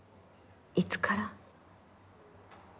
いつから？